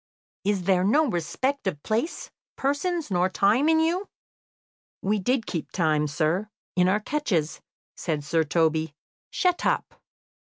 Is there no respect of place, persons, nor time in you?" "We did keep time, sir, in our catches," said Sir Toby. "Shut up!"